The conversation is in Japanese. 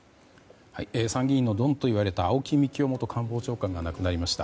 参議院のドンといわれた青木幹雄元官房長官が亡くなりました。